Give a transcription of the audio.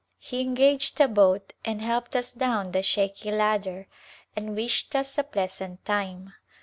He engaged a boat and helped us down the shaky ladder and wished us a pleasant time.